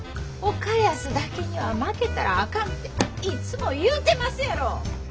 岡安だけには負けたらあかんていつも言うてますやろ！